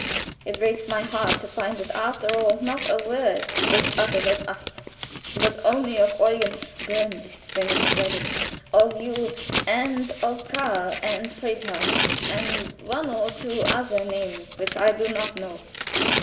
It breaks my heart to find that after all not a word is uttered of us, but only of Eugen (burn this when you have read it), of you, and of 'Karl,' and 'Friedhelm,' and one or two other names which I do not know.